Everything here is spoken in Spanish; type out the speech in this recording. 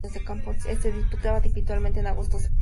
Se disputaba habitualmente en agosto o septiembre.